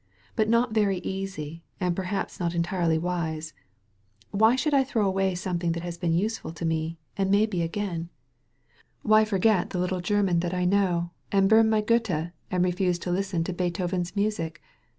iBut not very easy and perhaps not entirely wise. Why should I throw away something that has been useful to me, and may be again? Why forget the little German that 145 THE VALLEY OF VISION I know and bum my Goethe and refuse to listen to Beethoven's music?